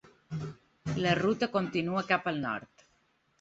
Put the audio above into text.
La ruta continua cap al nord.